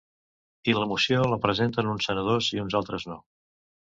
I la moció la presenten uns senadors i uns altres no.